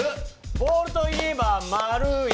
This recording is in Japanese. ボールといえば丸い。